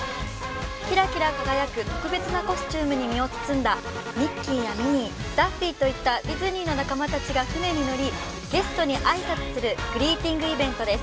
キラキラ輝く特別なコスチュームに身を包んだミッキーやミニーダッフィーといったディズニーの仲間たちが船に乗り、挨拶をするグリーティングイベントです。